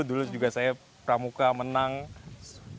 dulu juga saya pramuka menang sd saya